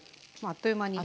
あっという間に。